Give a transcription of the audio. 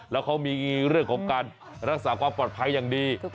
แล้วเขามีเรื่องของการรักษาความปลอดภัยอย่างดี